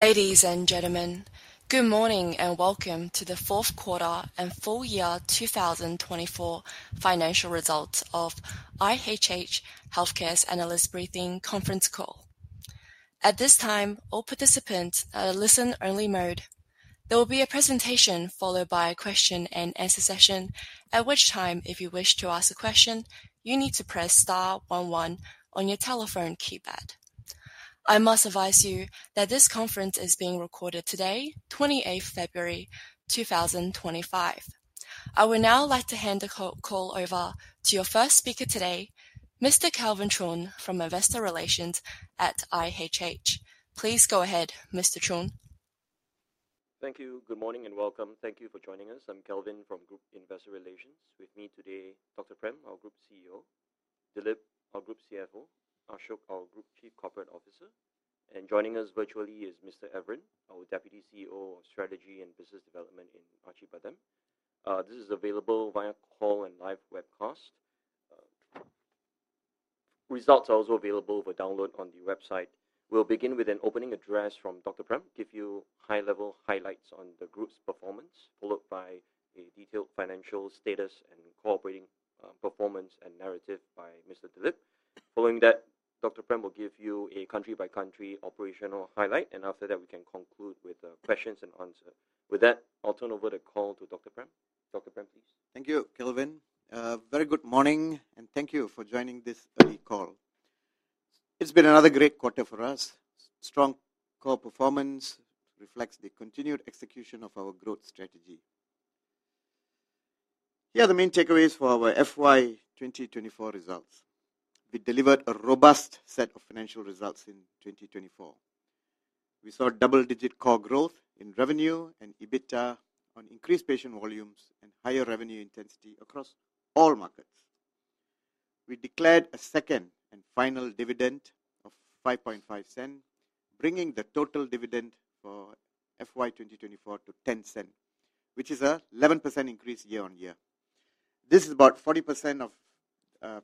Ladies and gentlemen, good morning and welcome to the fourth quarter and full year 2024 financial results of IHH Healthcare's Analyst Briefing Conference Call. At this time, all participants are in listen-only mode. There will be a presentation followed by a question-and-answer session, at which time, if you wish to ask a question, you need to press star one one on your telephone keypad. I must advise you that this conference is being recorded today, 28th February 2025. I would now like to hand the call over to your first speaker today, Mr. Kelvin Chong from Investor Relations at IHH. Please go ahead, Mr. Chong. Thank you. Good morning and welcome. Thank you for joining us. I'm Kelvin from Group Investor Relations. With me today, Dr. Prem, our Group CEO, Dilip, our Group CFO, Ashok, our Group Chief Corporate Officer. And joining us virtually is Mr. Evren, our Deputy CEO of Strategy and Business Development in Acibadem. This is available via call and live webcast. Results are also available for download on the website. We'll begin with an opening address from Dr. Prem, give you high-level highlights on the group's performance, followed by a detailed financial status and operational performance and narrative by Mr. Dilip. Following that, Dr. Prem will give you a country-by-country operational highlight, and after that, we can conclude with questions and answers. With that, I'll turn over the call to Dr. Prem. Dr. Prem, please. Thank you, Kelvin. Very good morning, and thank you for joining this early call. It's been another great quarter for us. Strong core performance reflects the continued execution of our growth strategy. Here are the main takeaways for our FY 2024 results. We delivered a robust set of financial results in 2024. We saw double-digit core growth in revenue and EBITDA on increased patient volumes and higher revenue intensity across all markets. We declared a second and final dividend of 0.055, bringing the total dividend for FY 2024 to 0.10, which is an 11% increase year-on-year. This is about 40% of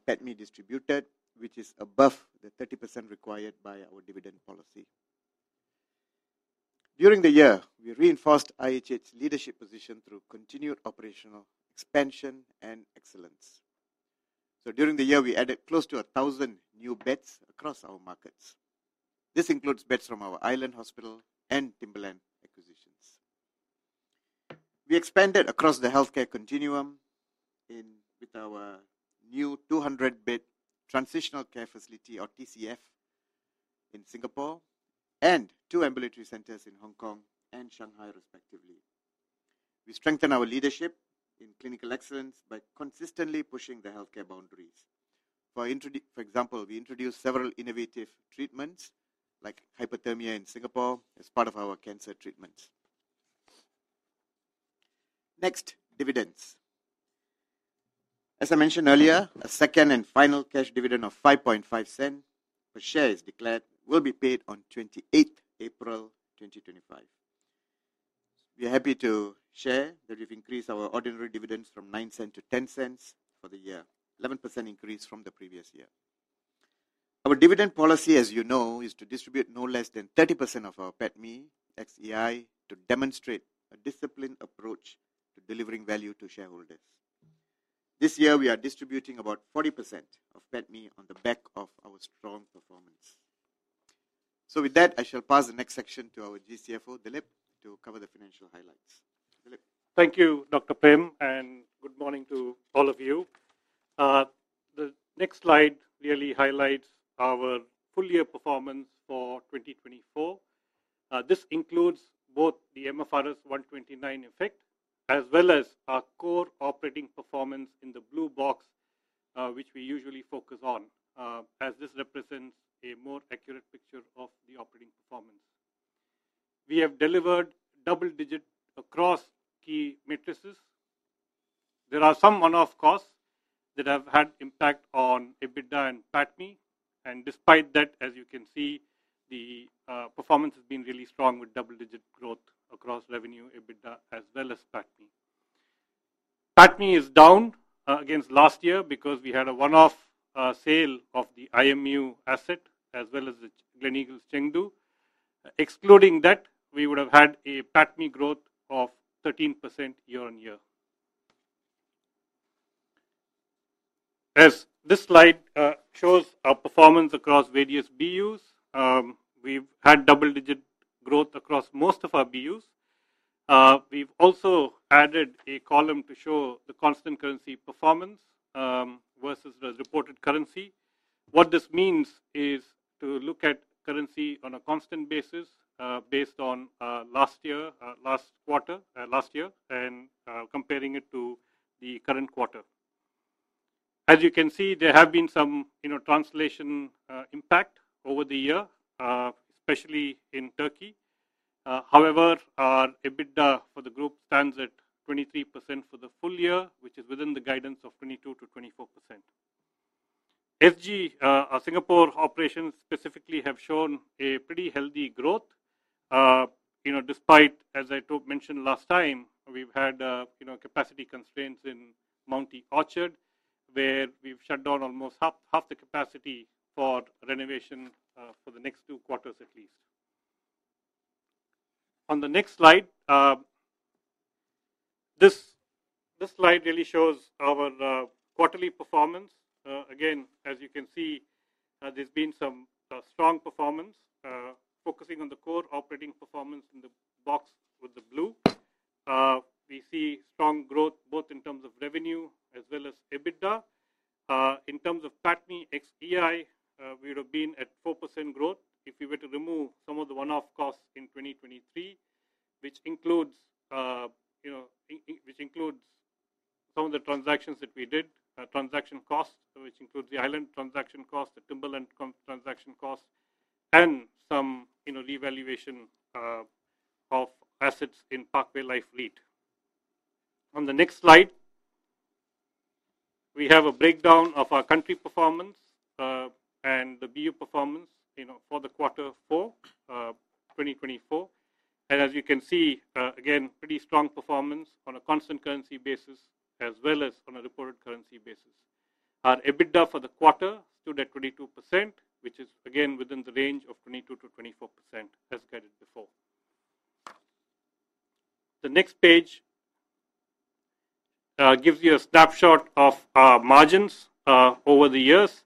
PATMI distributed, which is above the 30% required by our dividend policy. During the year, we reinforced IHH's leadership position through continued operational expansion and excellence. So during the year, we added close to 1,000 new beds across our markets. This includes beds from our Island Hospital and Timberland acquisitions. We expanded across the healthcare continuum with our new 200-bed Transitional Care Facility, or TCF, in Singapore, and two ambulatory centers in Hong Kong and Shanghai, respectively. We strengthened our leadership in clinical excellence by consistently pushing the healthcare boundaries. For example, we introduced several innovative treatments, like hyperthermia in Singapore, as part of our cancer treatments. Next, dividends. As I mentioned earlier, a second and final cash dividend of 0.055 per share is declared and will be paid on 28th April 2025. We are happy to share that we've increased our ordinary dividends from 0.09 to 0.10 for the year, an 11% increase from the previous year. Our dividend policy, as you know, is to distribute no less than 30% of our PATMI ex-EI to demonstrate a disciplined approach to delivering value to shareholders. This year, we are distributing about 40% of PATMI on the back of our strong performance. So with that, I shall pass the next section to our GCFO, Dilip, to cover the financial highlights. Dilip. Thank you, Dr. Prem, and good morning to all of you. The next slide really highlights our full year performance for 2024. This includes both the MFRS 129 effect as well as our core operating performance in the blue box, which we usually focus on, as this represents a more accurate picture of the operating performance. We have delivered double-digit across key metrics. There are some one-off costs that have had impact on EBITDA and PATMI, and despite that, as you can see, the performance has been really strong with double-digit growth across revenue, EBITDA, as well as PATMI. PATMI is down against last year because we had a one-off sale of the IMU asset as well as the Gleneagles Chengdu. Excluding that, we would have had a PATMI growth of 13% year-on-year. As this slide shows our performance across various BUs, we've had double-digit growth across most of our BUs. We've also added a column to show the constant currency performance versus the reported currency. What this means is to look at currency on a constant basis based on last year, last quarter, last year, and comparing it to the current quarter. As you can see, there have been some translation impact over the year, especially in Turkey. However, our EBITDA for the group stands at 23% for the full year, which is within the guidance of 22%-24%. SG, our Singapore operations specifically, have shown a pretty healthy growth. Despite, as I mentioned last time, we've had capacity constraints in Mount E Orchard, where we've shut down almost half the capacity for renovation for the next two quarters at least. On the next slide, this slide really shows our quarterly performance. Again, as you can see, there's been some strong performance. Focusing on the core operating performance in the box with the blue, we see strong growth both in terms of revenue as well as EBITDA. In terms of PATMI ex-EI, we would have been at 4% growth if we were to remove some of the one-off costs in 2023, which includes some of the transactions that we did, transaction costs, which includes the Island transaction cost, the Timberland transaction cost, and some revaluation of assets in Parkway Life REIT. On the next slide, we have a breakdown of our country performance and the BU performance for the quarter four, 2024. And as you can see, again, pretty strong performance on a constant currency basis as well as on a reported currency basis. Our EBITDA for the quarter stood at 22%, which is, again, within the range of 22%-24%, as guided before. The next page gives you a snapshot of our margins over the years.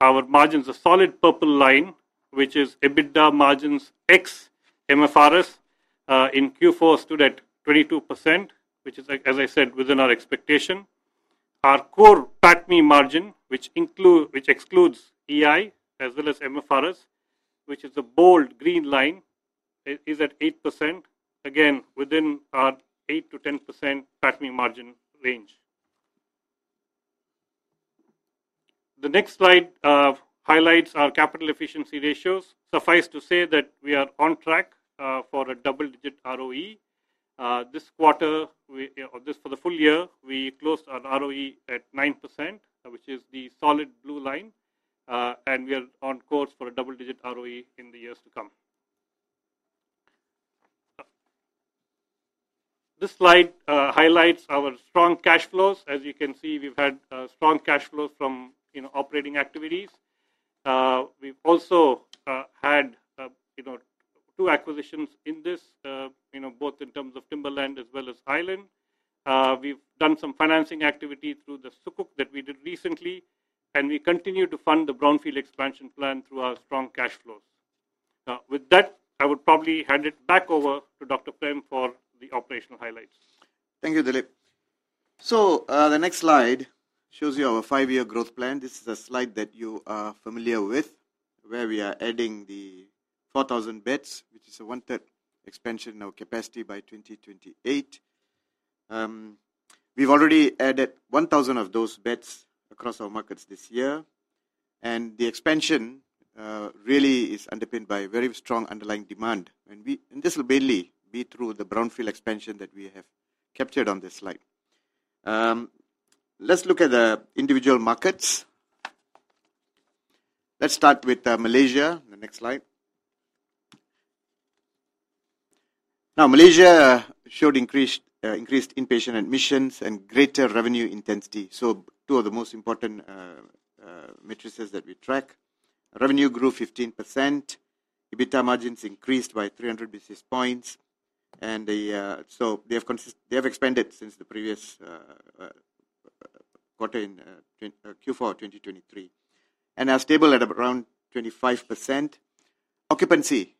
Our margins, a solid purple line, which is EBITDA margins ex-MFRS in Q4, stood at 22%, which is, as I said, within our expectation. Our core PATMI margin, which excludes EI as well as MFRS, which is a bold green line, is at 8%, again, within our 8%-10% PATMI margin range. The next slide highlights our capital efficiency ratios. Suffice to say that we are on track for a double-digit ROE. This quarter, or this for the full year, we closed our ROE at 9%, which is the solid blue line. We are on course for a double-digit ROE in the years to come. This slide highlights our strong cash flows. As you can see, we've had strong cash flows from operating activities. We've also had two acquisitions in this, both in terms of Timberland as well as Island. We've done some financing activity through the sukuk that we did recently, and we continue to fund the Brownfield expansion plan through our strong cash flows. With that, I would probably hand it back over to Dr. Prem for the operational highlights. Thank you, Dilip. So the next slide shows you our five-year growth plan. This is a slide that you are familiar with, where we are adding the 4,000 beds, which is a one-third expansion of capacity by 2028. We've already added 1,000 of those beds across our markets this year. And the expansion really is underpinned by very strong underlying demand. And this will mainly be through the Brownfield expansion that we have captured on this slide. Let's look at the individual markets. Let's start with Malaysia. The next slide. Now, Malaysia showed increased inpatient admissions and greater revenue intensity. So two of the most important metrics that we track. Revenue grew 15%. EBITDA margins increased by 300 basis points. And so they have expanded since the previous quarter in Q4 2023 and are stable at around 25%. Occupancy,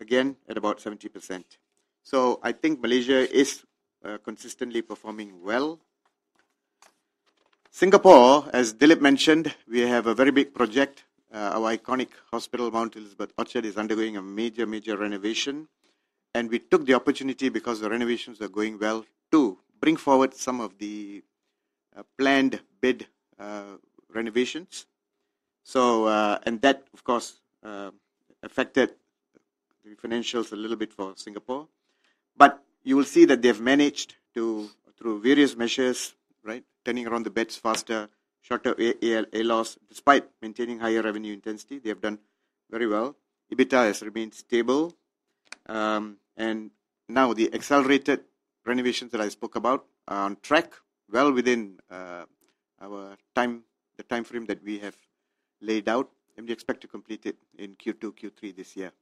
again, at about 70%. I think Malaysia is consistently performing well. Singapore, as Dilip mentioned, we have a very big project. Our iconic hospital, Mount E Orchard, is undergoing a major, major renovation. And we took the opportunity, because the renovations are going well, to bring forward some of the planned bed renovations. And that, of course, affected the financials a little bit for Singapore. But you will see that they have managed to, through various measures, right, turning around the beds faster, shorter ALOS, despite maintaining higher revenue intensity, they have done very well. EBITDA has remained stable. And now the accelerated renovations that I spoke about are on track, well within the time frame that we have laid out, and we expect to complete it in Q2, Q3 this year.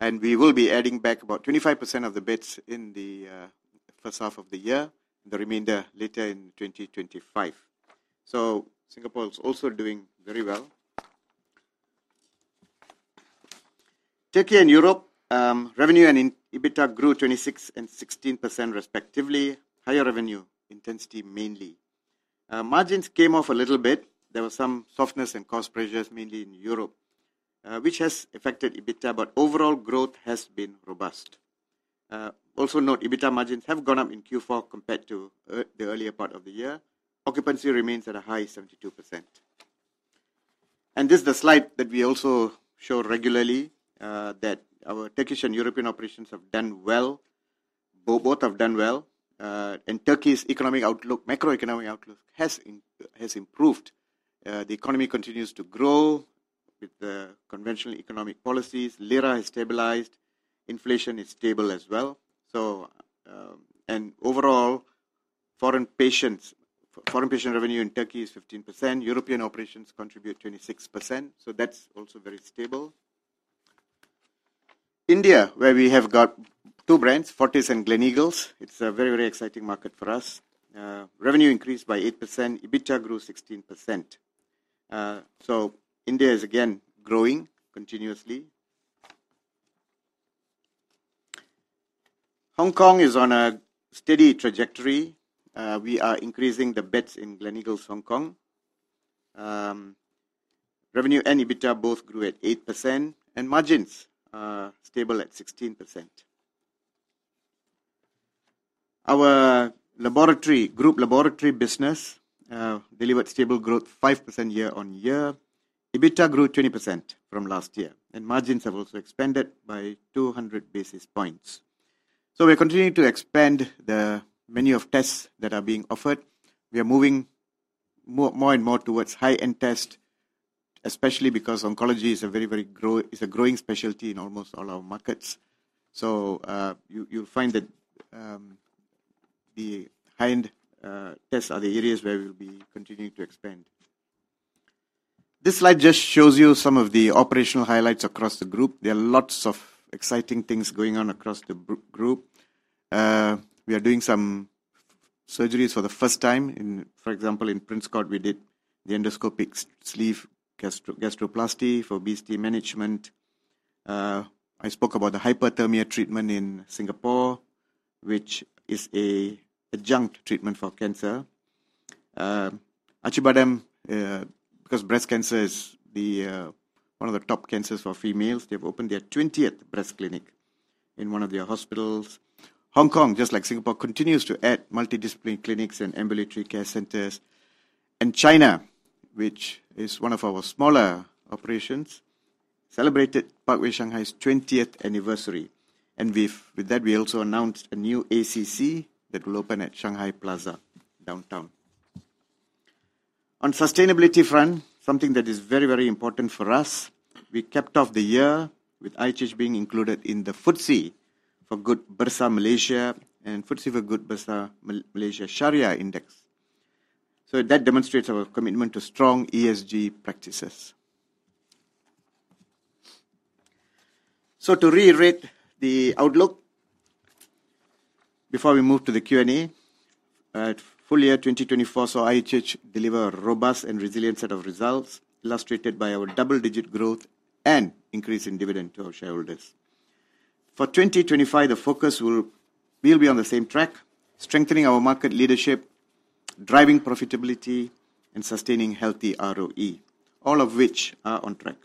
And we will be adding back about 25% of the beds in the first half of the year, the remainder later in 2025. So Singapore is also doing very well. Turkey and Europe, revenue and EBITDA grew 26% and 16%, respectively, higher revenue intensity mainly. Margins came off a little bit. There was some softness and cost pressures, mainly in Europe, which has affected EBITDA, but overall growth has been robust. Also note, EBITDA margins have gone up in Q4 compared to the earlier part of the year. Occupancy remains at a high 72%. And this is the slide that we also show regularly, that our Turkish and European operations have done well. Both have done well. And Turkey's economic outlook, macroeconomic outlook, has improved. The economy continues to grow with the conventional economic policies. Lira has stabilized. Inflation is stable as well. Overall, foreign patient revenue in Turkey is 15%. European operations contribute 26%. That's also very stable. India, where we have got two brands, Fortis and Gleneagles. It's a very, very exciting market for us. Revenue increased by 8%. EBITDA grew 16%. India is, again, growing continuously. Hong Kong is on a steady trajectory. We are increasing the beds in Gleneagles, Hong Kong. Revenue and EBITDA both grew at 8%, and margins stable at 16%. Our group laboratory business delivered stable growth, 5% year-on-year. EBITDA grew 20% from last year. Margins have also expanded by 200 basis points. We're continuing to expand the menu of tests that are being offered. We are moving more and more towards high-end tests, especially because oncology is a very, very growing specialty in almost all our markets. So you'll find that the high-end tests are the areas where we'll be continuing to expand. This slide just shows you some of the operational highlights across the group. There are lots of exciting things going on across the group. We are doing some surgeries for the first time. For example, in Prince Court, we did the endoscopic sleeve gastroplasty for obesity management. I spoke about the hyperthermia treatment in Singapore, which is an adjunct treatment for cancer. Acibadem, because breast cancer is one of the top cancers for females, they've opened their 20th breast clinic in one of their hospitals. Hong Kong, just like Singapore, continues to add multidisciplinary clinics and Ambulatory Care Centers. And China, which is one of our smaller operations, celebrated Parkway Shanghai's 20th anniversary. And with that, we also announced a new ACC that will open at Shanghai Plaza, downtown. On the sustainability front, something that is very, very important for us, we kicked off the year with IHH being included in the FTSE4Good Bursa Malaysia and FTSE4Good Bursa Malaysia Shariah Index. So that demonstrates our commitment to strong ESG practices. So to reiterate the outlook, before we move to the Q&A, full year 2024 saw IHH deliver a robust and resilient set of results, illustrated by our double-digit growth and increase in dividend to our shareholders. For 2025, the focus will be on the same track, strengthening our market leadership, driving profitability, and sustaining healthy ROE, all of which are on track.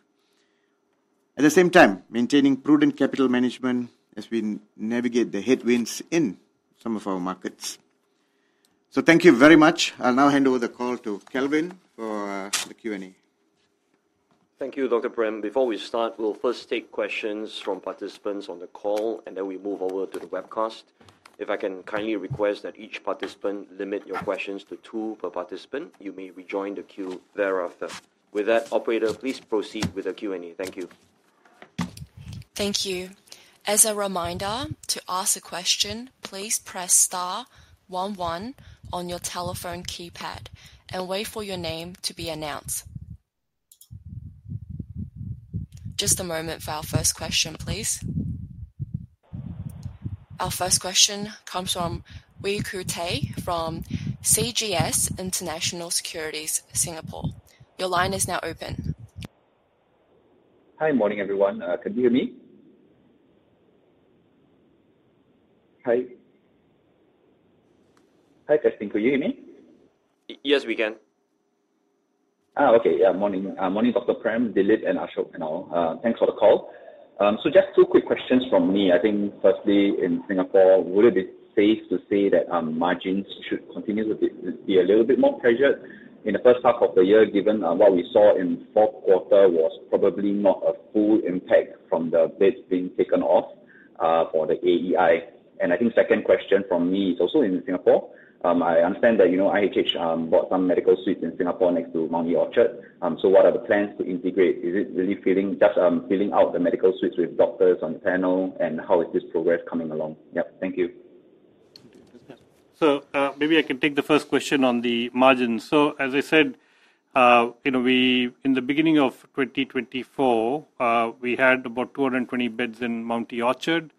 At the same time, maintaining prudent capital management as we navigate the headwinds in some of our markets. So thank you very much. I'll now hand over the call to Kelvin for the Q&A. Thank you, Dr. Prem. Before we start, we'll first take questions from participants on the call, and then we move over to the webcast. If I can kindly request that each participant limit your questions to two per participant, you may rejoin the queue thereafter. With that, operator, please proceed with the Q&A. Thank you. Thank you. As a reminder, to ask a question, please press star one one on your telephone keypad and wait for your name to be announced. Just a moment for our first question, please. Our first question comes from Wee Kuang Tay from CGS International Securities, Singapore. Your line is now open. Hi, morning, everyone. Can you hear me? Hi. Hi, Justin. Can you hear me? Yes, we can. Oh, okay. Yeah, morning. Morning, Dr. Prem, Dilip, and Ashok and all. Thanks for the call. So just two quick questions from me. I think, firstly, in Singapore, would it be safe to say that margins should continue to be a little bit more pressured in the first half of the year, given what we saw in the fourth quarter was probably not a full impact from the beds being taken off for the AEI? And I think the second question from me is also in Singapore. I understand that IHH bought some medical suites in Singapore next to Mount E Orchard. So what are the plans to integrate? Is it really filling out the medical suites with doctors on the panel? And how is this progress coming along? Yep, thank you. So maybe I can take the first question on the margins. So as I said, in the beginning of 2024, we had about 220 beds in Mount E Orchard.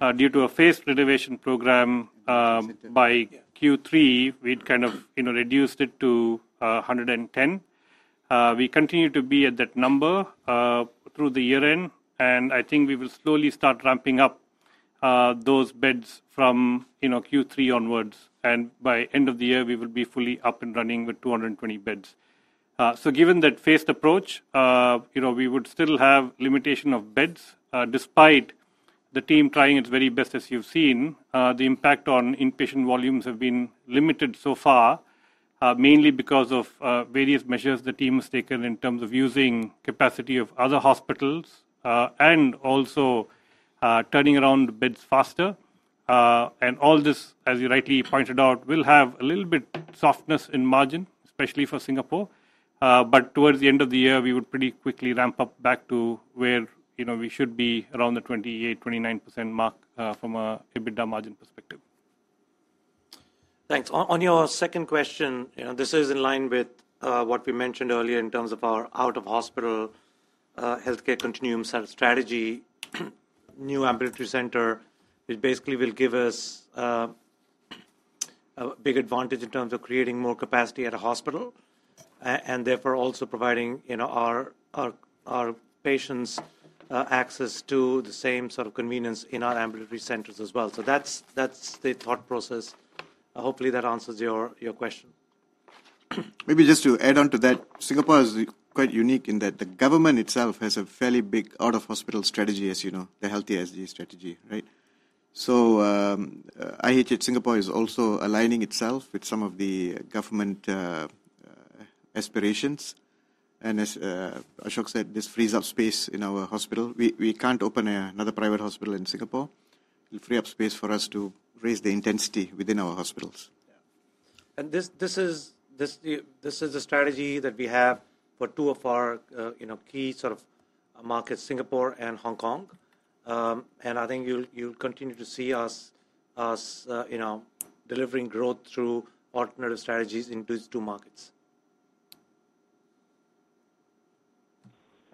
Due to a phased renovation program by Q3, we'd kind of reduced it to 110. We continue to be at that number through the year end. And I think we will slowly start ramping up those beds from Q3 onwards. And by the end of the year, we will be fully up and running with 220 beds. So given that phased approach, we would still have limitation of beds. Despite the team trying its very best, as you've seen, the impact on inpatient volumes has been limited so far, mainly because of various measures the team has taken in terms of using the capacity of other hospitals and also turning around beds faster. All this, as you rightly pointed out, will have a little bit of softness in margin, especially for Singapore. Towards the end of the year, we would pretty quickly ramp up back to where we should be around the 28%-29% mark from an EBITDA margin perspective. Thanks. On your second question, this is in line with what we mentioned earlier in terms of our Out-of-Hospital Healthcare Continuum strategy. New Ambulatory Center, which basically will give us a big advantage in terms of creating more capacity at a hospital and therefore also providing our patients access to the same sort of convenience in our Ambulatory Centers as well. So that's the thought process. Hopefully, that answers your question. Maybe just to add on to that, Singapore is quite unique in that the government itself has a fairly big Out-of-Hospital strategy, as you know, the Healthier SG strategy, right? So IHH Singapore is also aligning itself with some of the government aspirations. And as Ashok said, this frees up space in our hospital. We can't open another private hospital in Singapore. It'll free up space for us to raise the intensity within our hospitals. And this is the strategy that we have for two of our key sort of markets, Singapore and Hong Kong. And I think you'll continue to see us delivering growth through alternative strategies in these two markets.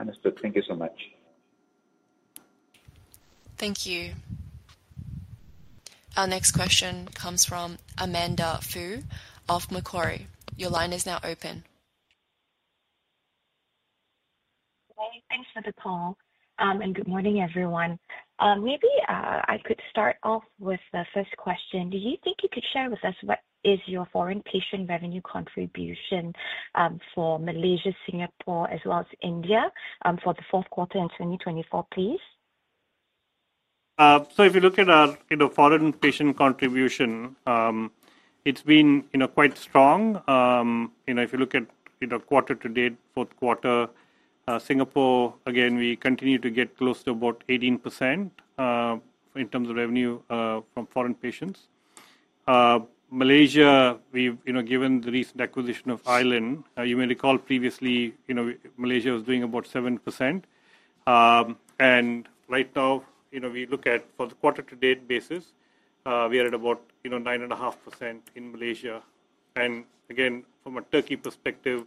Understood. Thank you so much. Thank you. Our next question comes from Amanda Foo of Macquarie. Your line is now open. Hi, thanks for the call. And good morning, everyone. Maybe I could start off with the first question. Do you think you could share with us what is your foreign patient revenue contribution for Malaysia, Singapore, as well as India for the fourth quarter in 2024, please? So if you look at our foreign patient contribution, it's been quite strong. If you look at quarter to date, fourth quarter, Singapore, again, we continue to get close to about 18% in terms of revenue from foreign patients. Malaysia, given the recent acquisition of Island, you may recall previously Malaysia was doing about 7%. And right now, we look at, for the quarter-to-date basis, we are at about 9.5% in Malaysia. And again, from a Turkey perspective,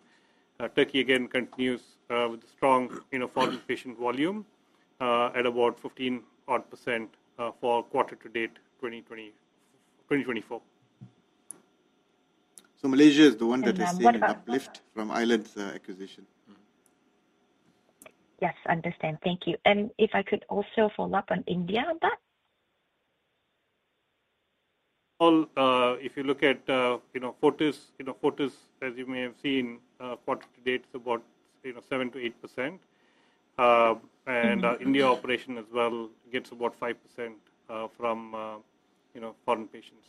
Turkey, again, continues with a strong foreign patient volume at about 15% for quarter-to-date 2024. Malaysia is the one that has seen an uplift from Island's acquisition. Yes, understand. Thank you. And if I could also follow up on India on that? If you look at Fortis, as you may have seen, quarter-to-date is about 7%-8%. India operations as well get about 5% from foreign patients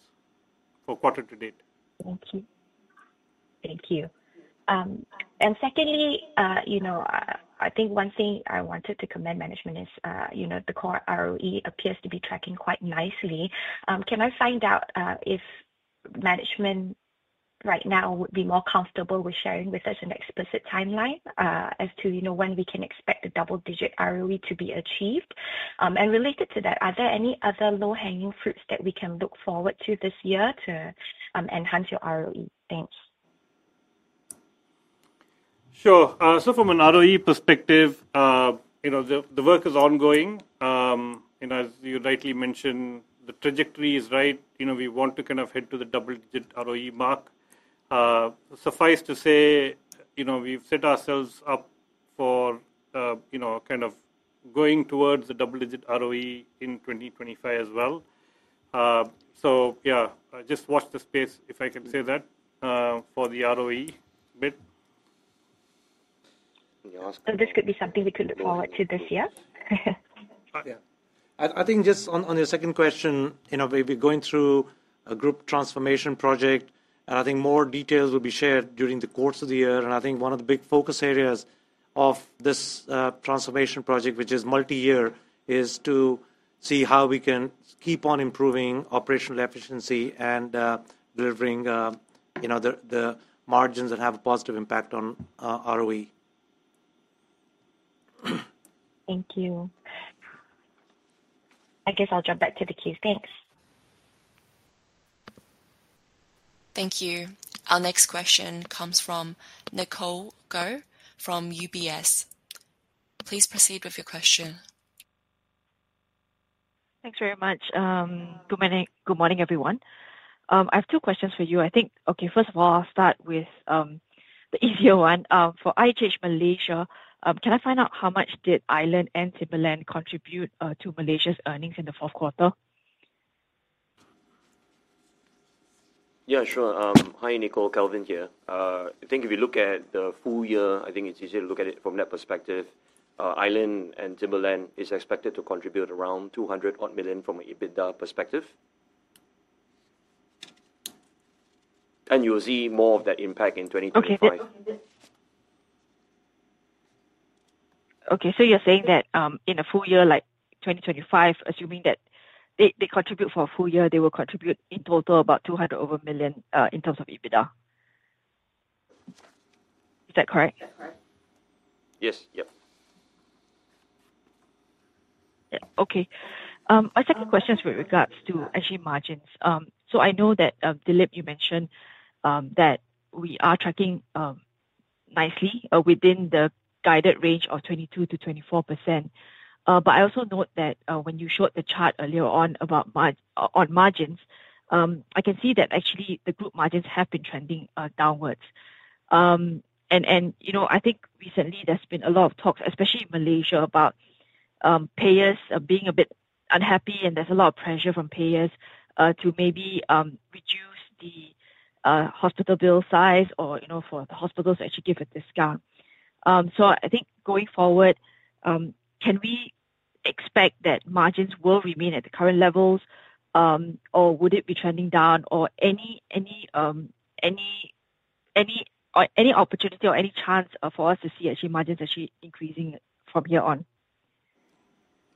quarter-to-date. Thank you. Thank you. And secondly, I think one thing I wanted to comment, management, is the core ROE appears to be tracking quite nicely. Can I find out if management right now would be more comfortable with sharing with us an explicit timeline as to when we can expect the double-digit ROE to be achieved? And related to that, are there any other low-hanging fruits that we can look forward to this year to enhance your ROE? Thanks. Sure. So from an ROE perspective, the work is ongoing. As you rightly mentioned, the trajectory is right. We want to kind of head to the double-digit ROE mark. Suffice to say, we've set ourselves up for kind of going towards the double-digit ROE in 2025 as well. So yeah, just watch this space, if I can say that, for the ROE bit. This could be something we could look forward to this year? Yeah. I think just on your second question, we're going through a group transformation project. And I think more details will be shared during the course of the year. And I think one of the big focus areas of this transformation project, which is multi-year, is to see how we can keep on improving operational efficiency and delivering the margins that have a positive impact on ROE. Thank you. I guess I'll jump back to the queue. Thanks. Thank you. Our next question comes from Nicole Goh from UBS. Please proceed with your question. Thanks very much. Good morning, everyone. I have two questions for you. I think, okay, first of all, I'll start with the easier one. For IHH Malaysia, can I find out how much did Island and Timberland contribute to Malaysia's earnings in the fourth quarter? Yeah, sure. Hi, Nicole. Kelvin here. I think if you look at the full year, I think it's easier to look at it from that perspective. Island and Timberland is expected to contribute around 200 million from an EBITDA perspective. And you'll see more of that impact in 2025. Okay. So you're saying that in a full year like 2025, assuming that they contribute for a full year, they will contribute in total about 200 million in terms of EBITDA. Is that correct? Yes. Yep. Yeah. Okay. My second question is with regards to actually margins. So I know that, Dilip, you mentioned that we are tracking nicely within the guided range of 22%-24%. But I also note that when you showed the chart earlier on about margins, I can see that actually the group margins have been trending downwards. And I think recently there's been a lot of talks, especially in Malaysia, about payers being a bit unhappy, and there's a lot of pressure from payers to maybe reduce the hospital bill size or for the hospitals to actually give a discount. So I think going forward, can we expect that margins will remain at the current levels, or would it be trending down, or any opportunity or any chance for us to see margins actually increasing from here on?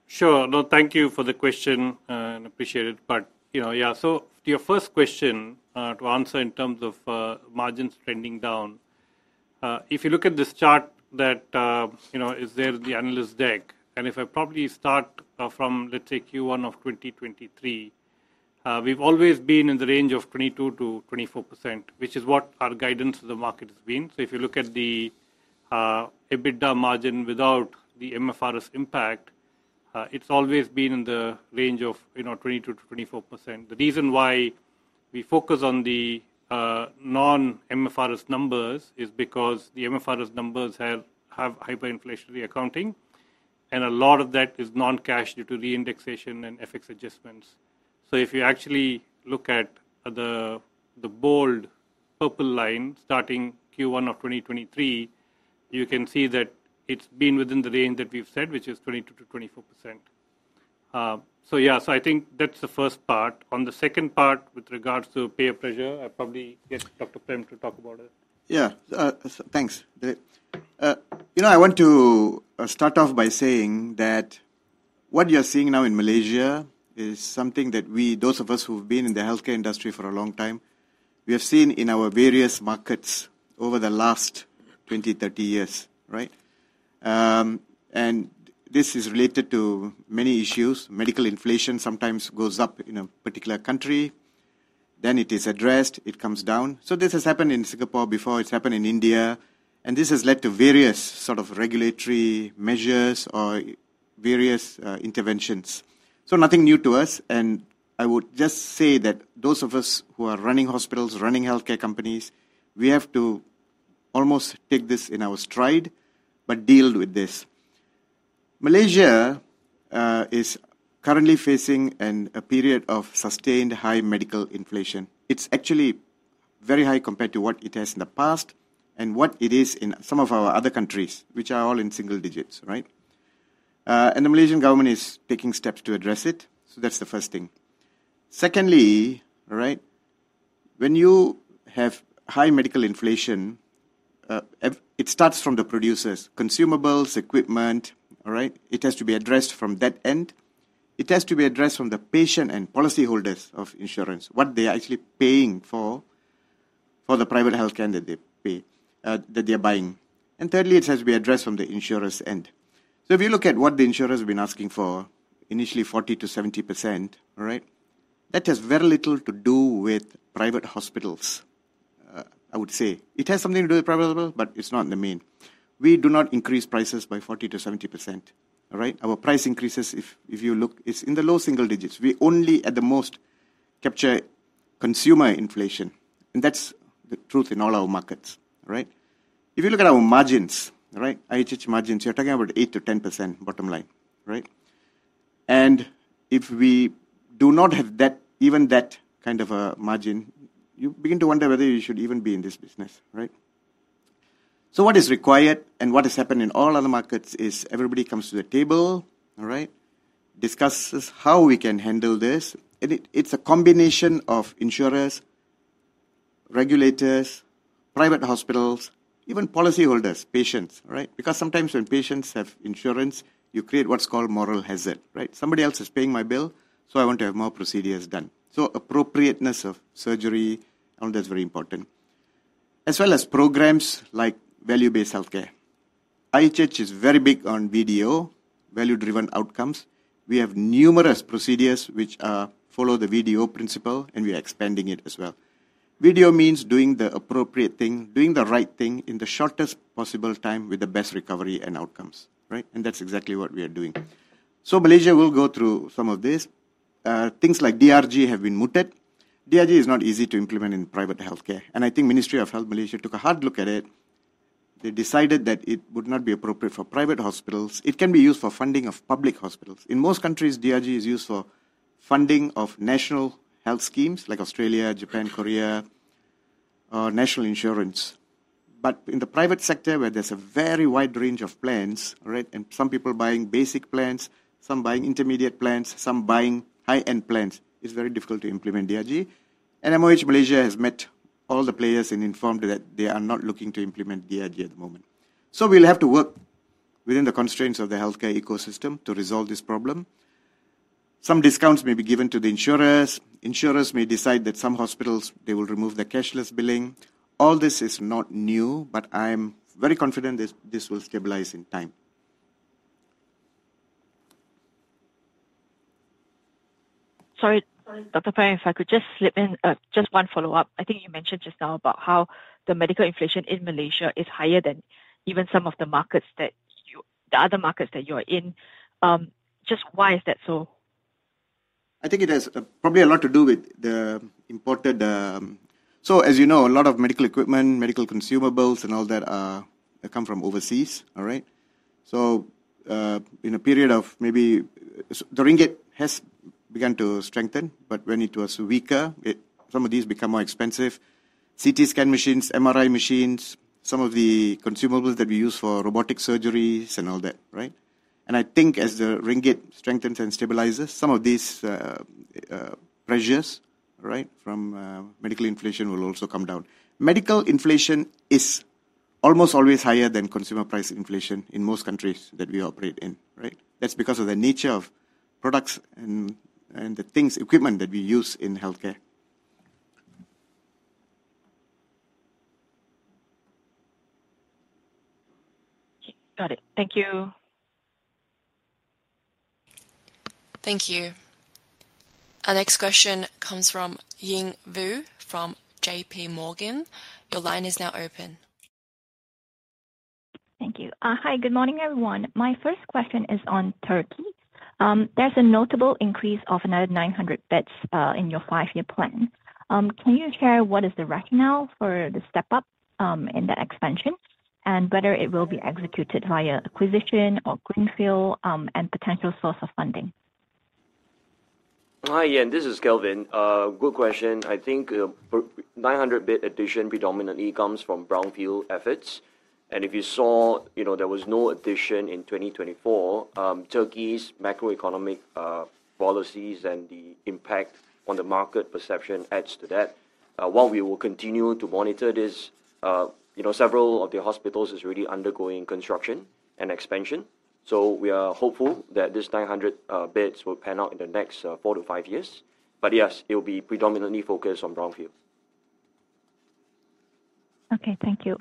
Sure. No, thank you for the question. I appreciate it. But yeah, so to your first question, to answer in terms of margins trending down, if you look at this chart that is there in the analyst deck, and if I probably start from, let's say, Q1 of 2023, we've always been in the range of 22%-24%, which is what our guidance of the market has been. So if you look at the EBITDA margin without the MFRS impact, it's always been in the range of 22%-24%. The reason why we focus on the non-MFRS numbers is because the MFRS numbers have hyperinflationary accounting, and a lot of that is non-cash due to reindexation and FX adjustments. So if you actually look at the bold purple line starting Q1 of 2023, you can see that it's been within the range that we've said, which is 22%-24%. So yeah, so I think that's the first part. On the second part with regards to payer pressure, I probably get Dr. Prem to talk about it. Yeah. Thanks, Dilip. I want to start off by saying that what you're seeing now in Malaysia is something that we, those of us who've been in the healthcare industry for a long time, we have seen in our various markets over the last 20, 30 years, right? And this is related to many issues. Medical inflation sometimes goes up in a particular country. Then it is addressed, it comes down. So this has happened in Singapore before. It's happened in India. And this has led to various sort of regulatory measures or various interventions. So nothing new to us. And I would just say that those of us who are running hospitals, running healthcare companies, we have to almost take this in our stride but deal with this. Malaysia is currently facing a period of sustained high medical inflation. It's actually very high compared to what it has in the past and what it is in some of our other countries, which are all in single digits, right? And the Malaysian government is taking steps to address it. So that's the first thing. Secondly, right, when you have high medical inflation, it starts from the producers, consumables, equipment, all right? It has to be addressed from that end. It has to be addressed from the patient and policyholders of insurance, what they're actually paying for, for the private healthcare that they're buying. And thirdly, it has to be addressed from the insurers' end. So if you look at what the insurers have been asking for, initially 40%-70%, all right, that has very little to do with private hospitals, I would say. It has something to do with private hospitals, but it's not the main. We do not increase prices by 40%-70%, all right? Our price increases, if you look, it's in the low single digits. We only, at the most, capture consumer inflation. And that's the truth in all our markets, right? If you look at our margins, right, IHH margins, you're talking about 8%-10% bottom line, right? And if we do not have even that kind of a margin, you begin to wonder whether you should even be in this business, right? So what is required and what has happened in all other markets is everybody comes to the table, all right, discusses how we can handle this. And it's a combination of insurers, regulators, private hospitals, even policyholders, patients, right? Because sometimes when patients have insurance, you create what's called moral hazard, right? Somebody else is paying my bill, so I want to have more procedures done. So appropriateness of surgery, I know that's very important, as well as programs like value-based healthcare. IHH is very big on VDO, Value-Driven Outcomes. We have numerous procedures which follow the VDO principle, and we are expanding it as well. VDO means doing the appropriate thing, doing the right thing in the shortest possible time with the best recovery and outcomes, right? And that's exactly what we are doing. So Malaysia will go through some of this. Things like DRG have been mooted. DRG is not easy to implement in private healthcare. And I think the Ministry of Health Malaysia took a hard look at it. They decided that it would not be appropriate for private hospitals. It can be used for funding of public hospitals. In most countries, DRG is used for funding of national health schemes like Australia, Japan, Korea, or national insurance. But in the private sector, where there's a very wide range of plans, right, and some people buying basic plans, some buying intermediate plans, some buying high-end plans, it's very difficult to implement DRG. And MOH Malaysia has met all the players and informed that they are not looking to implement DRG at the moment. So we'll have to work within the constraints of the healthcare ecosystem to resolve this problem. Some discounts may be given to the insurers. Insurers may decide that some hospitals, they will remove their cashless billing. All this is not new, but I'm very confident this will stabilize in time. Sorry, Dr. Prem, if I could just slip in just one follow-up. I think you mentioned just now about how the medical inflation in Malaysia is higher than even some of the markets that you the other markets that you are in. Just why is that so? I think it has probably a lot to do with the imports. So as you know, a lot of medical equipment, medical consumables, and all that come from overseas, all right? So in a period of maybe the ringgit has begun to strengthen, but when it was weaker, some of these became more expensive: CT scan machines, MRI machines, some of the consumables that we use for robotic surgeries and all that, right? And I think as the ringgit strengthens and stabilizes, some of these pressures, right, from medical inflation will also come down. Medical inflation is almost always higher than consumer price inflation in most countries that we operate in, right? That's because of the nature of products and the things, equipment that we use in healthcare. Got it. Thank you. Thank you. Our next question comes from Ying Wu from JPMorgan. Your line is now open. Thank you. Hi, good morning, everyone. My first question is on Turkey. There's a notable increase of another 900 beds in your five-year plan. Can you share what is the rationale for the step-up and the expansion, and whether it will be executed via acquisition or greenfield and potential source of funding? Hi, Ying. This is Kelvin. Good question. I think 900-bed addition predominantly comes from brownfield efforts, and if you saw there was no addition in 2024, Turkey's macroeconomic policies and the impact on the market perception adds to that. While we will continue to monitor this, several of the hospitals are already undergoing construction and expansion, so we are hopeful that these 900 beds will pan out in the next four to five years, but yes, it will be predominantly focused on brownfield. Okay. Thank you.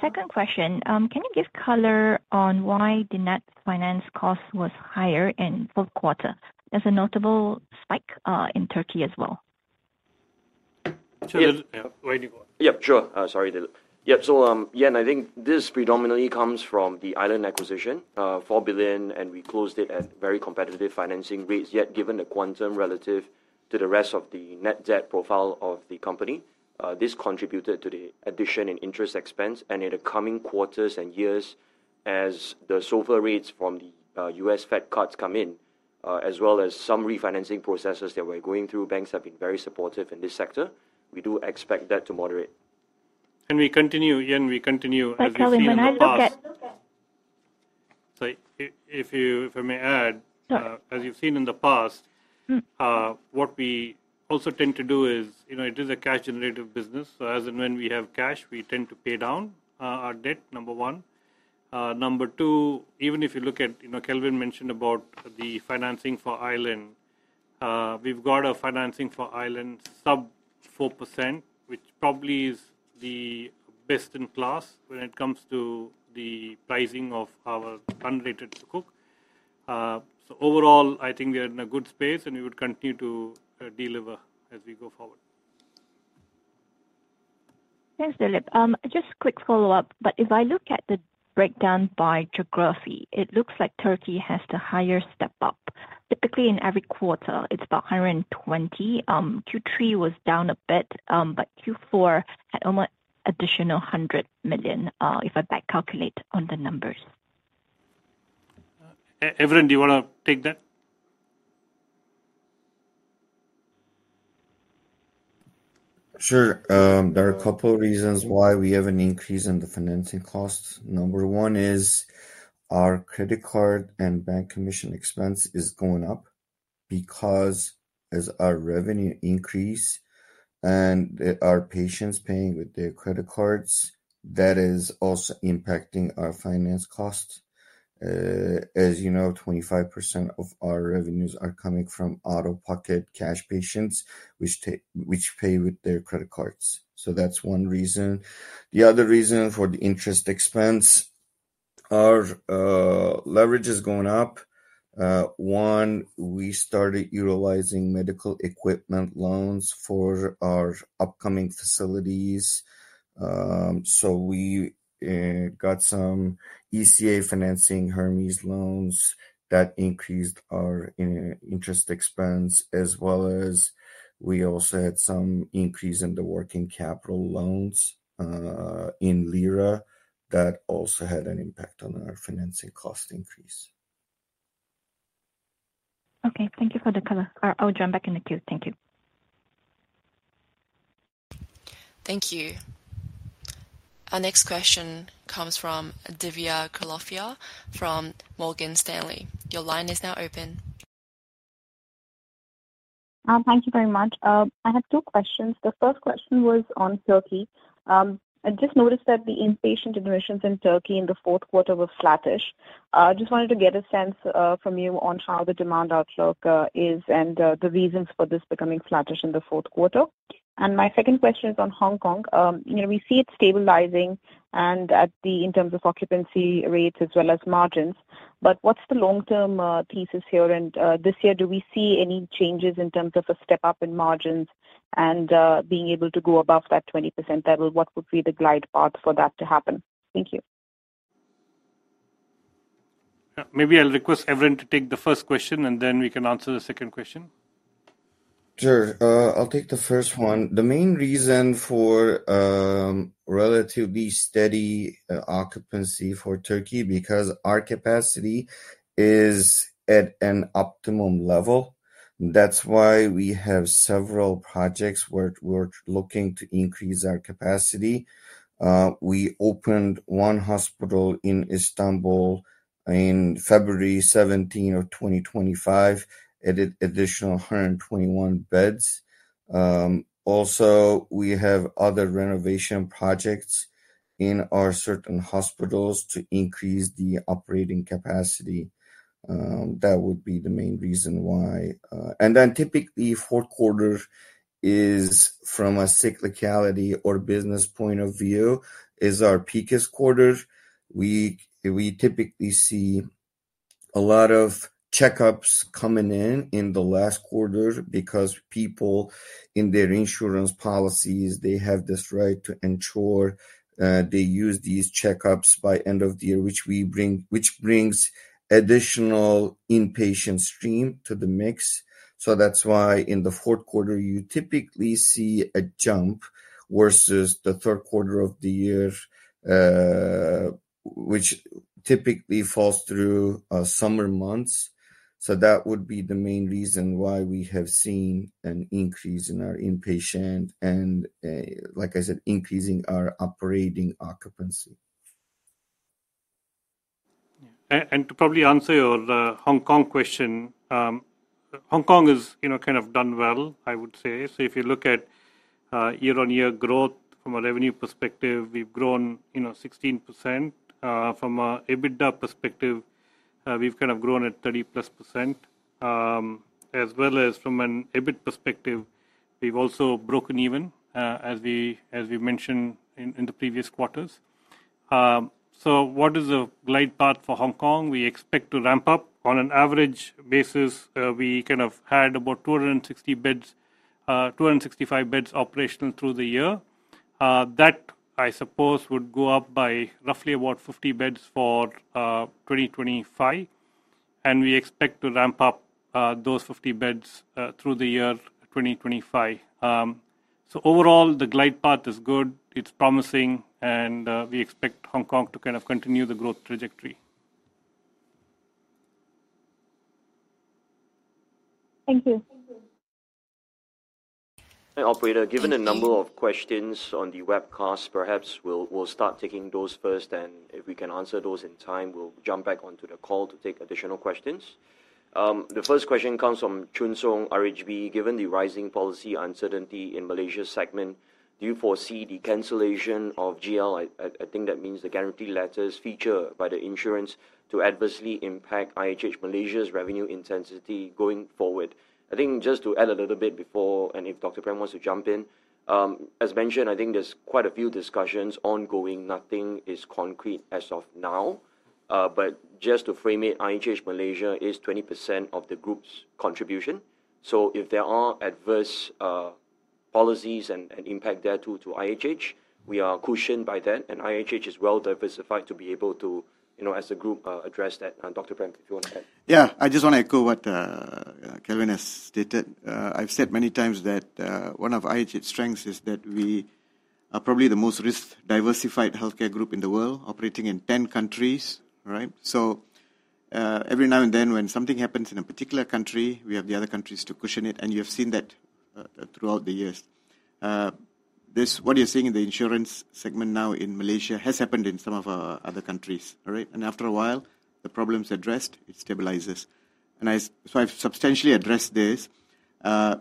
Second question, can you give color on why the net finance cost was higher in fourth quarter? There's a notable spike in Turkey as well. Yeah. Sure. Sorry, Dilip. Yeah. So Ying, I think this predominantly comes from the Island acquisition, 4 billion, and we closed it at very competitive financing rates. Yet given the quantum relative to the rest of the net debt profile of the company, this contributed to the addition in interest expense. And in the coming quarters and years, as the SOFR rates from the U.S. Fed cuts come in, as well as some refinancing processes that we're going through, banks have been very supportive in this sector. We do expect that to moderate. We continue, Ying, we continue as we see in the past. Sorry, if I may add, as you've seen in the past, what we also tend to do is it is a cash-generative business. So as and when we have cash, we tend to pay down our debt, number one. Number two, even if you look at Kelvin mentioned about the financing for Island, we've got a financing for Island sub 4%, which probably is the best in class when it comes to the pricing of our unrated sukuk. So overall, I think we are in a good space, and we would continue to deliver as we go forward. Thanks, Dilip. Just a quick follow-up. But if I look at the breakdown by geography, it looks like Turkey has the higher step-up. Typically, in every quarter, it's about 120. Q3 was down a bit, but Q4 had almost an additional 100 million if I back-calculate on the numbers. Evren, do you want to take that? Sure. There are a couple of reasons why we have an increase in the financing costs. Number one is our credit card and bank commission expense is going up because as our revenue increases and our patients paying with their credit cards, that is also impacting our finance costs. As you know, 25% of our revenues are coming from out-of-pocket cash patients which pay with their credit cards. So that's one reason. The other reason for the interest expense, our leverage is going up. One, we started utilizing medical equipment loans for our upcoming facilities. So we got some ECA financing Hermes loans that increased our interest expense, as well as we also had some increase in the working capital loans in lira that also had an impact on our financing cost increase. Okay. Thank you for the color. I'll jump back in the queue. Thank you. Thank you. Our next question comes from Divya Kothiyal from Morgan Stanley. Your line is now open. Thank you very much. I have two questions. The first question was on Turkey. I just noticed that the inpatient admissions in Turkey in the fourth quarter were flattish. I just wanted to get a sense from you on how the demand outlook is and the reasons for this becoming flattish in the fourth quarter. And my second question is on Hong Kong. We see it stabilizing in terms of occupancy rates as well as margins. But what's the long-term thesis here? And this year, do we see any changes in terms of a step-up in margins and being able to go above that 20% level? What would be the glide path for that to happen? Thank you. Maybe I'll request Evren to take the first question, and then we can answer the second question. Sure. I'll take the first one. The main reason for relatively steady occupancy for Turkey is because our capacity is at an optimum level. That's why we have several projects where we're looking to increase our capacity. We opened one hospital in Istanbul in February 17, 2025, added additional 121 beds. Also, we have other renovation projects in our certain hospitals to increase the operating capacity. That would be the main reason why. And then typically, fourth quarter is, from a cyclicality or business point of view, is our peakest quarter. We typically see a lot of checkups coming in in the last quarter because people, in their insurance policies, they have this right to ensure they use these checkups by end of the year, which brings additional inpatient stream to the mix. So that's why in the fourth quarter, you typically see a jump versus the third quarter of the year, which typically falls through summer months. So that would be the main reason why we have seen an increase in our inpatient and, like I said, increasing our operating occupancy. Yeah. And to probably answer your Hong Kong question, Hong Kong has kind of done well, I would say. So if you look at year-on-year growth from a revenue perspective, we've grown 16%. From an EBITDA perspective, we've kind of grown at 30%+. As well as from an EBIT perspective, we've also broken even, as we mentioned in the previous quarters. So what is the glide path for Hong Kong? We expect to ramp up. On an average basis, we kind of had about 265 beds operational through the year. That, I suppose, would go up by roughly about 50 beds for 2025. And we expect to ramp up those 50 beds through the year 2025. So overall, the glide path is good. It's promising, and we expect Hong Kong to kind of continue the growth trajectory. Thank you. Hi, operator. Given the number of questions on the webcast, perhaps we'll start taking those first. And if we can answer those in time, we'll jump back onto the call to take additional questions. The first question comes from Chun Sung, RHB. Given the rising policy uncertainty in Malaysia's segment, do you foresee the cancellation of GL? I think that means the guarantee letters provided by the insurers to adversely impact IHH Malaysia's revenue intensity going forward. I think just to add a little bit before, and if Dr. Prem wants to jump in, as mentioned, I think there's quite a few discussions ongoing. Nothing is concrete as of now. But just to frame it, IHH Malaysia is 20% of the group's contribution. So if there are adverse policies and impact there too to IHH, we are cushioned by that. IHH is well diversified to be able to, as a group, address that. Dr. Prem, if you want to add. Yeah. I just want to echo what Kelvin has stated. I've said many times that one of IHH's strengths is that we are probably the most risk-diversified healthcare group in the world, operating in 10 countries, all right? So every now and then, when something happens in a particular country, we have the other countries to cushion it. And you have seen that throughout the years. What you're seeing in the insurance segment now in Malaysia has happened in some of our other countries, all right? And after a while, the problem's addressed, it stabilizes. And so I've substantially addressed this.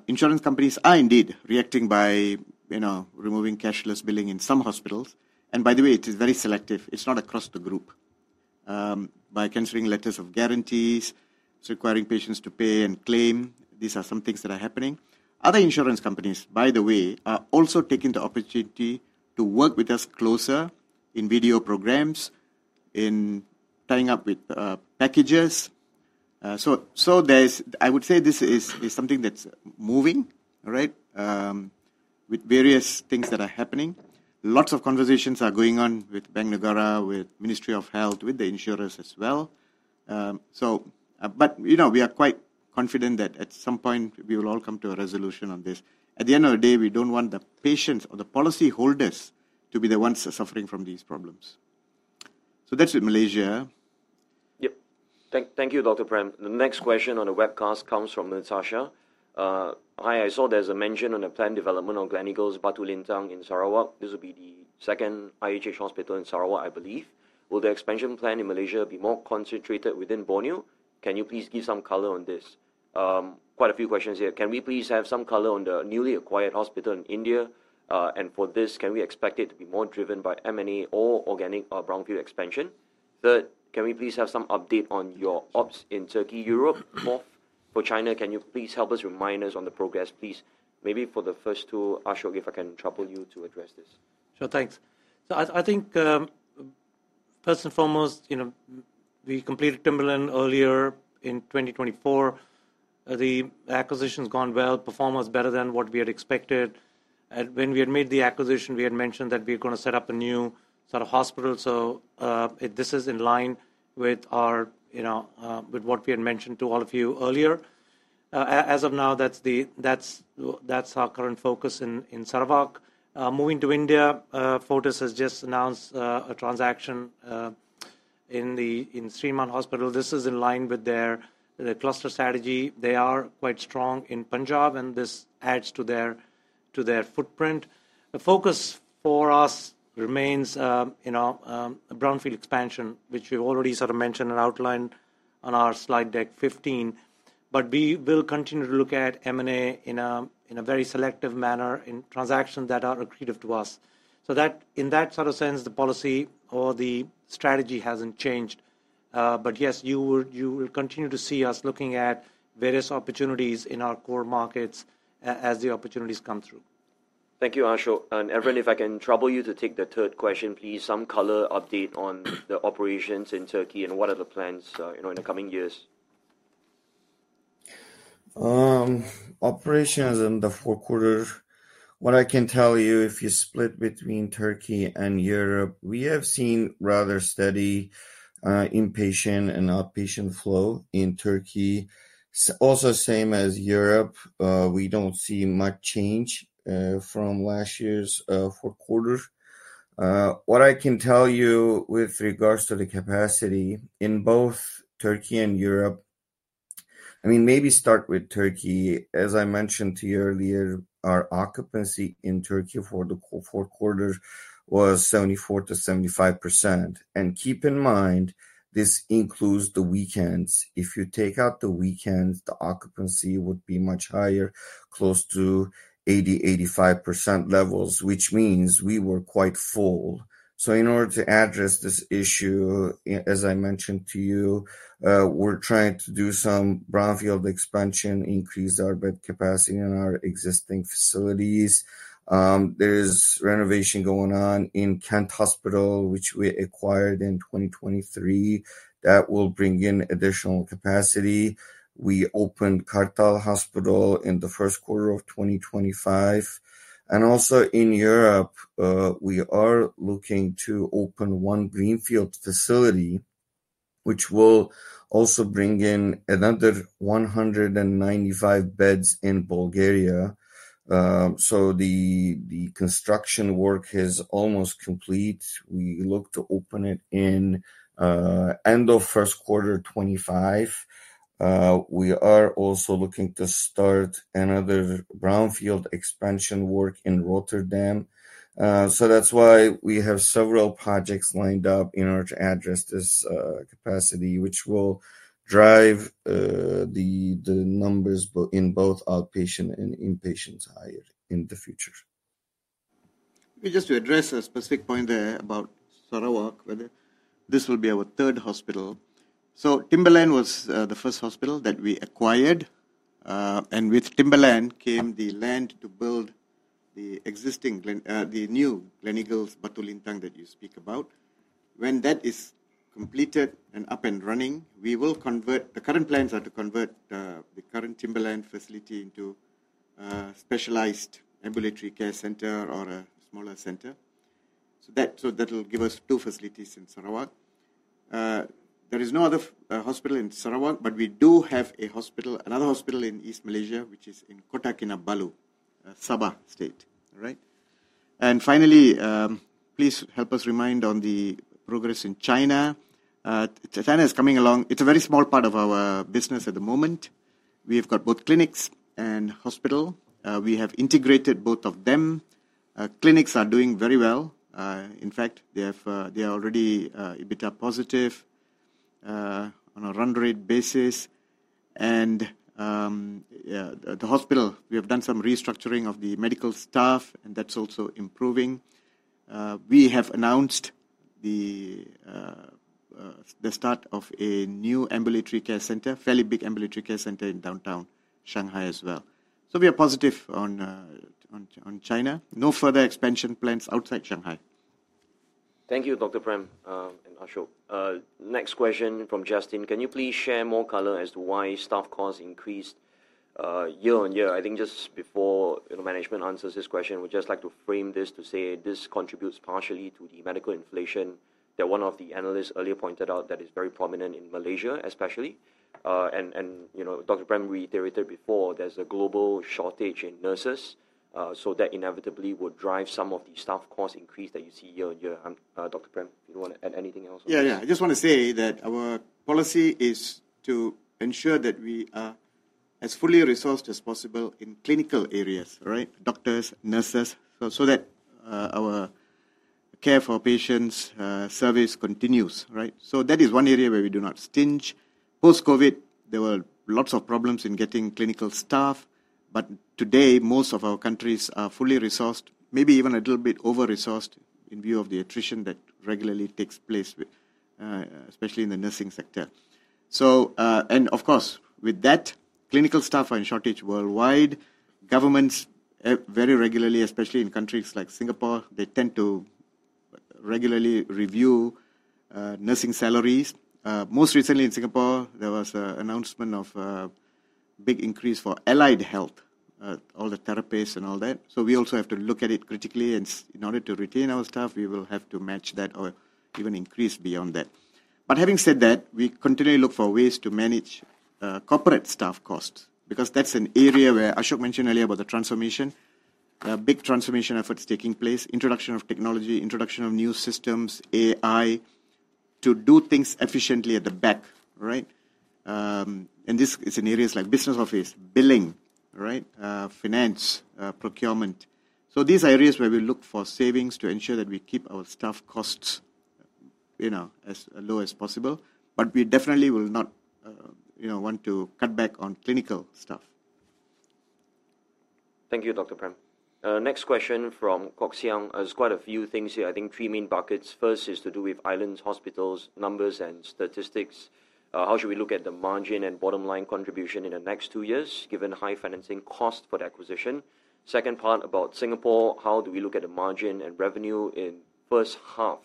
Insurance companies are indeed reacting by removing cashless billing in some hospitals. And by the way, it is very selective. It's not across the group. By canceling letters of guarantee, it's requiring patients to pay and claim. These are some things that are happening. Other insurance companies, by the way, are also taking the opportunity to work with us closer in VDO programs, in tying up with packages, so I would say this is something that's moving, all right, with various things that are happening. Lots of conversations are going on with Bank Negara, with the Ministry of Health, with the insurers as well, but we are quite confident that at some point, we will all come to a resolution on this. At the end of the day, we don't want the patients or the policyholders to be the ones suffering from these problems, so that's with Malaysia. Yep. Thank you, Dr. Prem. The next question on the webcast comes from Natasha. Hi, I saw there's a mention on the planned development of Gleneagles' Batu Lintang in Sarawak. This will be the second IHH hospital in Sarawak, I believe. Will the expansion plan in Malaysia be more concentrated within Borneo? Can you please give some color on this? Quite a few questions here. Can we please have some color on the newly acquired hospital in India? And for this, can we expect it to be more driven by M&A or organic brownfield expansion? Third, can we please have some update on your ops in Turkey, Europe? Fourth, for China, can you please help us remind us on the progress, please? Maybe for the first two, Ashok, if I can trouble you to address this. Sure. Thanks. So I think first and foremost, we completed Timberland earlier in 2024. The acquisition's gone well. Performance better than what we had expected. When we had made the acquisition, we had mentioned that we were going to set up a new sort of hospital. So this is in line with what we had mentioned to all of you earlier. As of now, that's our current focus in Sarawak. Moving to India, Fortis has just announced a transaction in Shrimann Hospital. This is in line with their cluster strategy. They are quite strong in Punjab, and this adds to their footprint. The focus for us remains brownfield expansion, which we've already sort of mentioned and outlined on our slide deck 15. But we will continue to look at M&A in a very selective manner in transactions that are accretive to us. So in that sort of sense, the policy or the strategy hasn't changed. But yes, you will continue to see us looking at various opportunities in our core markets as the opportunities come through. Thank you, Ashok. And Evren, if I can trouble you to take the third question, please, some color update on the operations in Turkey and what are the plans in the coming years? Operations in the fourth quarter, what I can tell you, if you split between Turkey and Europe, we have seen rather steady inpatient and outpatient flow in Turkey. Also, same as Europe, we don't see much change from last year's fourth quarter. What I can tell you with regards to the capacity in both Turkey and Europe, I mean, maybe start with Turkey. As I mentioned to you earlier, our occupancy in Turkey for the fourth quarter was 74%-75%. And keep in mind, this includes the weekends. If you take out the weekends, the occupancy would be much higher, close to 80%, 85% levels, which means we were quite full. So in order to address this issue, as I mentioned to you, we're trying to do some brownfield expansion, increase our bed capacity in our existing facilities. There's renovation going on in Kent Hospital, which we acquired in 2023. That will bring in additional capacity. We opened Kartal Hospital in the first quarter of 2025. And also in Europe, we are looking to open one greenfield facility, which will also bring in another 195 beds in Bulgaria. So the construction work is almost complete. We look to open it in end of first quarter 2025. We are also looking to start another brownfield expansion work in Rotterdam. So that's why we have several projects lined up in order to address this capacity, which will drive the numbers in both outpatient and inpatient side in the future. Maybe just to address a specific point there about Sarawak, whether this will be our third hospital. So Timberland was the first hospital that we acquired. And with Timberland came the land to build the existing, the new Gleneagles Batu Lintang that you speak about. When that is completed and up and running, we will convert. The current plans are to convert the current Timberland facility into a specialized ambulatory care center or a smaller center. So that'll give us two facilities in Sarawak. There is no other hospital in Sarawak, but we do have another hospital in East Malaysia, which is in Kota Kinabalu, Sabah state, all right? And finally, please help us remind on the progress in China. China is coming along. It's a very small part of our business at the moment. We have got both clinics and hospital. We have integrated both of them. Clinics are doing very well. In fact, they are already EBITDA positive on a run rate basis, and the hospital, we have done some restructuring of the medical staff, and that's also improving. We have announced the start of a new ambulatory care center, fairly big ambulatory care center in downtown Shanghai as well, so we are positive on China. No further expansion plans outside Shanghai. Thank you, Dr. Prem and Ashok. Next question from Justin. Can you please share more color as to why staff costs increased year-on-year? I think just before management answers this question, we'd just like to frame this to say this contributes partially to the medical inflation that one of the analysts earlier pointed out that is very prominent in Malaysia, especially, and Dr. Prem reiterated before, there's a global shortage in nurses, so that inevitably would drive some of the staff cost increase that you see year-on-year. Dr. Prem, if you want to add anything else on that. Yeah, yeah. I just want to say that our policy is to ensure that we are as fully resourced as possible in clinical areas, right? Doctors, nurses, so that our care for patients' service continues, right? So that is one area where we do not scrimp. Post-COVID, there were lots of problems in getting clinical staff. But today, most of our countries are fully resourced, maybe even a little bit over-resourced in view of the attrition that regularly takes place, especially in the nursing sector. And of course, with that, clinical staff are in shortage worldwide. Governments, very regularly, especially in countries like Singapore, they tend to regularly review nursing salaries. Most recently in Singapore, there was an announcement of a big increase for allied health, all the therapists and all that. So we also have to look at it critically. In order to retain our staff, we will have to match that or even increase beyond that. But having said that, we continue to look for ways to manage corporate staff costs because that's an area where Ashok mentioned earlier about the transformation. There are big transformation efforts taking place, introduction of technology, introduction of new systems, AI to do things efficiently at the back, right? And this is in areas like business office, billing, right? Finance, procurement. So these are areas where we look for savings to ensure that we keep our staff costs as low as possible. But we definitely will not want to cut back on clinical staff. Thank you, Dr. Prem. Next question from Kwok Siang. There's quite a few things here. I think three main buckets. First is to do with Island Hospital's numbers and statistics. How should we look at the margin and bottom line contribution in the next two years given high financing cost for the acquisition? Second part about Singapore, how do we look at the margin and revenue in first half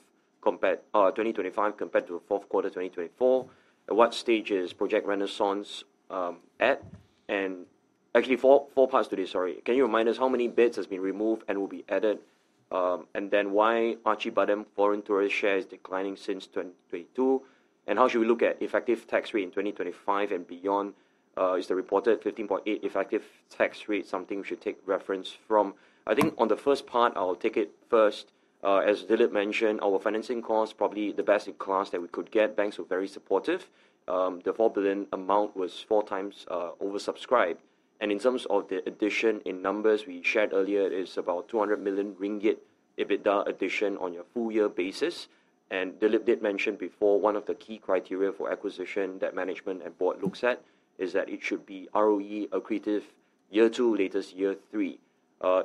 2025 compared to the fourth quarter 2024? At what stage is Project Renaissance at? And actually, four parts today, sorry. Can you remind us how many beds have been removed and will be added? And then why Acibadem foreign tourist share is declining since 2022? And how should we look at effective tax rate in 2025 and beyond? Is the reported 15.8% effective tax rate something we should take reference from? I think on the first part, I'll take it first. As Dilip mentioned, our financing costs, probably the best in class that we could get. Banks were very supportive. The 4 billion amount was four times oversubscribed. And in terms of the addition in numbers we shared earlier, it is about 200 million ringgit EBITDA addition on a full year basis. And Dilip did mention before, one of the key criteria for acquisition that management and board looks at is that it should be ROE accretive year two, latest year three.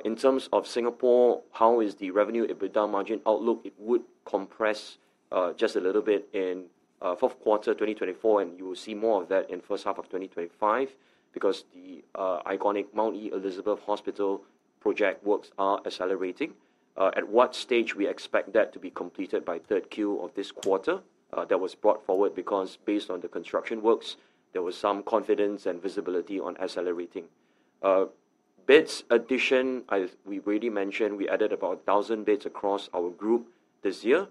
In terms of Singapore, how is the revenue EBITDA margin outlook? It would compress just a little bit in fourth quarter 2024, and you will see more of that in first half of 2025 because the iconic Mount Elizabeth Hospital project works are accelerating. At what stage we expect that to be completed by third Q of this quarter? That was brought forward because based on the construction works, there was some confidence and visibility on accelerating. Beds addition, we already mentioned we added about 1,000 beds across our group this year.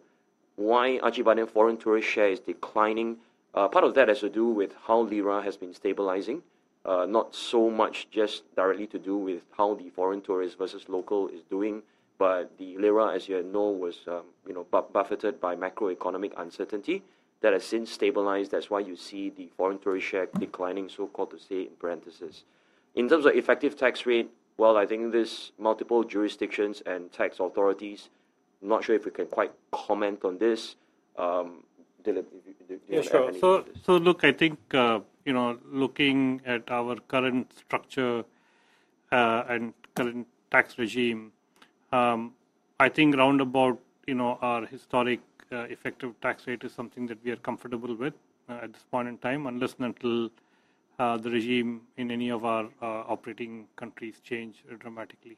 Why Acibadem foreign tourist share is declining? Part of that has to do with how lira has been stabilizing. Not so much just directly to do with how the foreign tourist versus local is doing, but the lira, as you know, was buffeted by macroeconomic uncertainty. That has since stabilized. That's why you see the foreign tourist share declining, so called to say in parentheses. In terms of effective tax rate, well, I think there's multiple jurisdictions and tax authorities. Not sure if we can quite comment on this. Dilip, do you have any comments? Yeah, sure. So look, I think looking at our current structure and current tax regime, I think round about our historic effective tax rate is something that we are comfortable with at this point in time, unless and until the regime in any of our operating countries change dramatically.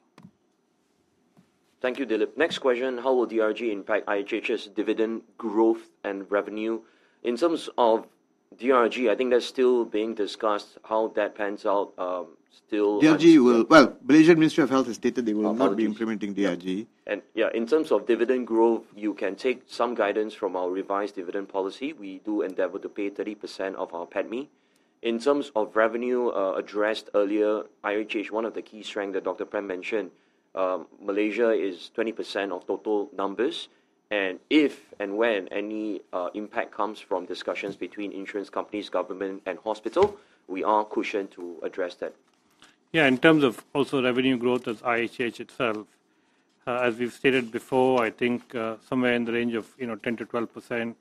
Thank you, Dilip. Next question, how will DRG impact IHH's dividend growth and revenue? In terms of DRG, I think it's still being discussed how that pans out. DRG will, well, Ministry of Health Malaysia has stated they will not be implementing DRG. Yeah, in terms of dividend growth, you can take some guidance from our revised dividend policy. We do endeavor to pay 30% of our PATMI. In terms of revenue addressed earlier, IHH, one of the key strengths that Dr. Prem mentioned, Malaysia is 20% of total numbers. If and when any impact comes from discussions between insurance companies, government, and hospital, we are cushioned to address that. Yeah, in terms of also revenue growth as IHH itself, as we've stated before, I think somewhere in the range of 10%-12%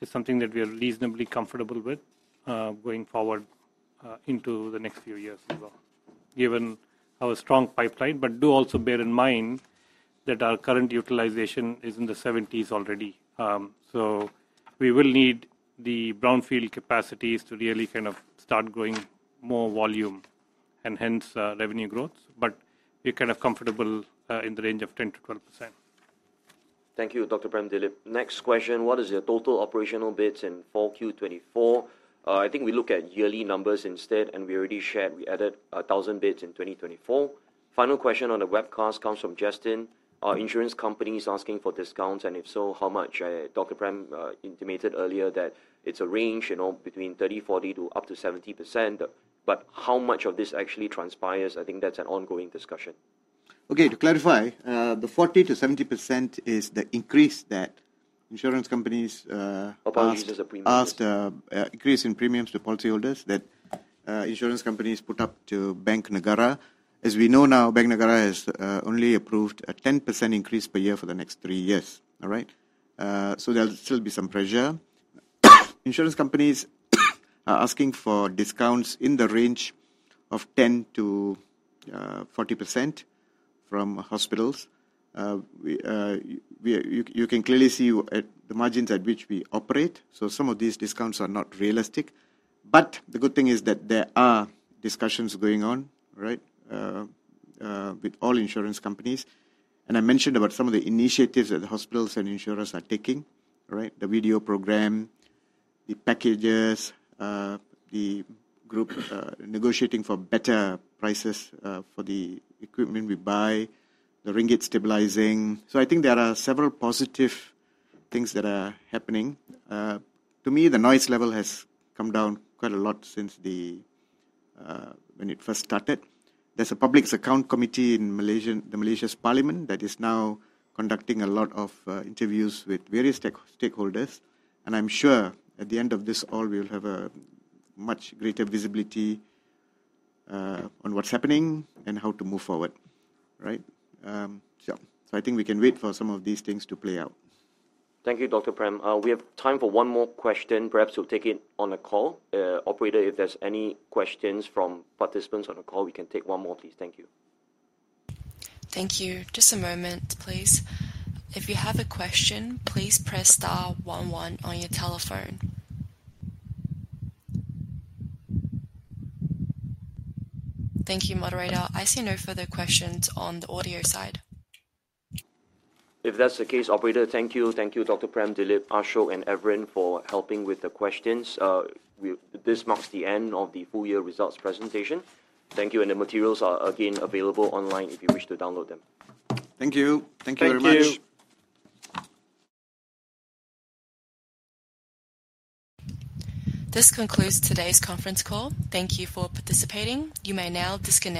is something that we are reasonably comfortable with going forward into the next few years as well, given our strong pipeline. But do also bear in mind that our current utilization is in the 70%s already. So we will need the brownfield capacities to really kind of start growing more volume and hence revenue growth. But we're kind of comfortable in the range of 10%-12%. Thank you, Dr. Prem, Dilip. Next question, what is your total operational beds in 4Q24? I think we look at yearly numbers instead, and we already shared we added 1,000 beds in 2024. Final question on the webcast comes from Justin. Insurance companies asking for discounts, and if so, how much? Dr. Prem intimated earlier that it's a range between 30%, 40%, to up to 70%. But how much of this actually transpires? I think that's an ongoing discussion. Okay, to clarify, the 40%, 70% is the increase that insurance companies asked to increase in premiums to policyholders that insurance companies put up to Bank Negara. As we know now, Bank Negara has only approved a 10% increase per year for the next three years, all right? So there'll still be some pressure. Insurance companies are asking for discounts in the range of 10%-40% from hospitals. You can clearly see the margins at which we operate, so some of these discounts are not realistic, but the good thing is that there are discussions going on, right, with all insurance companies, and I mentioned about some of the initiatives that the hospitals and insurers are taking, right? The video program, the packages, the group negotiating for better prices for the equipment we buy, the ringgit stabilizing. So I think there are several positive things that are happening. To me, the noise level has come down quite a lot since when it first started. There's a Public Accounts Committee in the Malaysian Parliament that is now conducting a lot of interviews with various stakeholders. I'm sure at the end of this all, we will have a much greater visibility on what's happening and how to move forward, right? I think we can wait for some of these things to play out. Thank you, Dr. Prem. We have time for one more question. Perhaps we'll take it on a call. Operator, if there's any questions from participants on the call, we can take one more, please. Thank you. Thank you. Just a moment, please. If you have a question, please press star one one on your telephone. Thank you, moderator. I see no further questions on the audio side. If that's the case, operator, thank you. Thank you, Dr. Prem, Dilip, Ashok, and Evren for helping with the questions. This marks the end of the full year results presentation. Thank you, and the materials are again available online if you wish to download them. Thank you. Thank you very much. Thank you. This concludes today's conference call. Thank you for participating. You may now disconnect.